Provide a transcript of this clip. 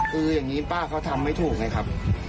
คืออย่างนี้ป้าเขาทำไม่ถูกไงครับ